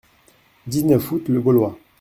dix-neuf août., Le Gaulois.